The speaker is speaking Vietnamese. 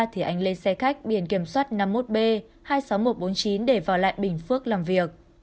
thì anh lên xe khách biển kiểm soát năm mươi một b hai mươi sáu nghìn một trăm bốn mươi chín để vào lại bình phước làm việc